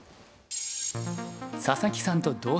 佐々木さんと同世代